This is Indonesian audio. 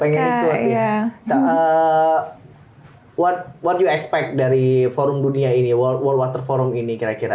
apa yang kamu harapkan dari forum dunia ini world water forum ini kira kira